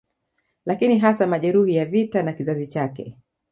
Lakini hasa majeruhi wa vita na kizazi chake